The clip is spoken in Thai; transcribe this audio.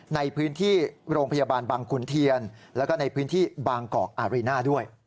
ในพื้นที่โรงพยาบาลบางขุนเทียนแล้วก็ในพื้นที่บางกอกอารีน่าด้วย